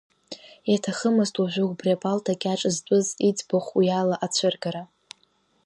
Иҭахымызт уажәы убри апалта кьаҿ зтәыз иӡбахә уиала ацәыргара.